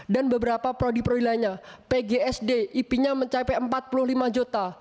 dan beberapa prodi proilanya pgsd ip nya mencapai empat puluh lima juta